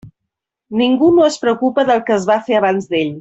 Ningú no es preocupa del que es va fer abans d'ell.